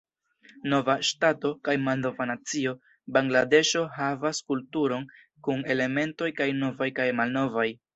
Nova ŝtato kaj malnova nacio, Bangladeŝo havas kulturon kun elementoj kaj novaj kaj malnovaj.